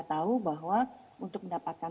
tahu bahwa untuk mendapatkan